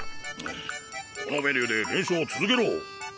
このメニューで練習を続けろ。